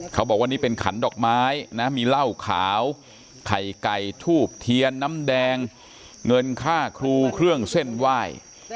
เขาบอกว่านี่เป็นขันดอกไม้นะมีเหล้าขาวไข่ไก่ทูบเทียนน้ำแดงเงินค่าครูเครื่องเส้นไหว้